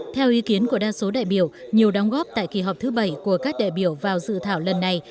theo ý kiến của đa số đại biểu nhiều đóng góp tại kỳ họp thứ bảy của các đại biểu vào dự thảo lần này